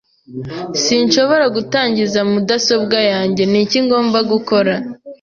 Sinshobora gutangiza mudasobwa yanjye. Ni iki ngomba gukora?